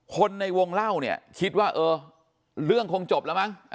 คนในวงเล่าเนี่ยคิดว่าเออเรื่องคงจบแล้วมั้ง